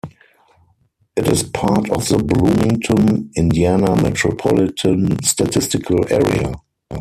It is part of the Bloomington, Indiana Metropolitan Statistical Area.